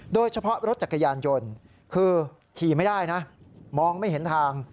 โดยเฉพาะรถจักรยานยนต์คือขี่ไม่ได้นะมองไม่เห็นทาง